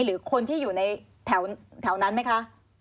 หรือคนที่อยู่ในแถวนั้นไหมคะ